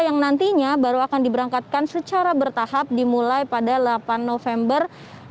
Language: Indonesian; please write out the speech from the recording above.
yang nantinya baru akan diberangkatkan secara bertahap dimulai pada delapan november dua ribu dua puluh